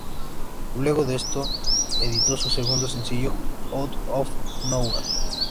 Luego de esto editó su segundo sencillo "Out of Nowhere".